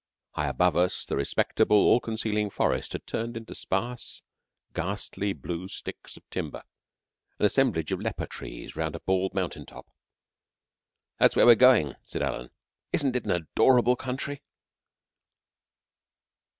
High above us the respectable, all concealing forest had turned into sparse, ghastly blue sticks of timber an assembly of leper trees round a bald mountain top. "That's where we're going," said Alan. "Isn't it an adorable country?"